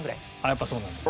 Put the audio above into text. やっぱそうなんだ。